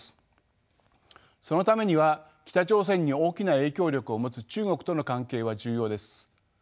そのためには北朝鮮に大きな影響力を持つ中国との関係は重要です。